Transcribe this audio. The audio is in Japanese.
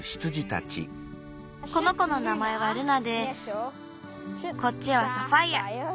この子のなまえはルナでこっちはサファイア。